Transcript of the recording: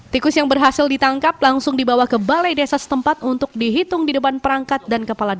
tikus yang berhasil ditangkap langsung dibawa ke balai desa setempat untuk dihitung di depan perangkatnya